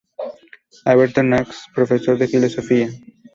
Alberto Knox: Profesor de filosofía.